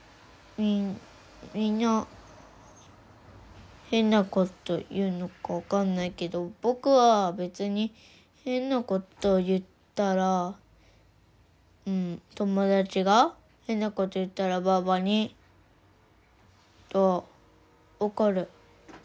みんな変なこと言うのか分かんないけど僕は別に変なことを言ったら友達が変なこと言ったらばぁばにえっと怒る。